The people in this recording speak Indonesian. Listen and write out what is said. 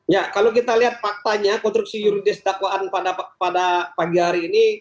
ya kalau kita lihat faktanya konstruksi juridis dakwaan pada pagi hari ini